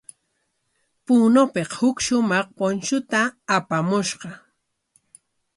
Punopik huk shumaq punchuta apamushqa.